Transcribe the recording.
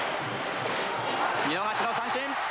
見逃しの三振！